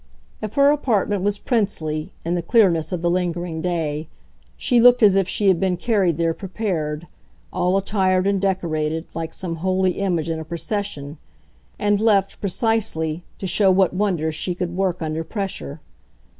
If her apartment was "princely," in the clearness of the lingering day, she looked as if she had been carried there prepared, all attired and decorated, like some holy image in a procession, and left, precisely, to show what wonder she could work under pressure.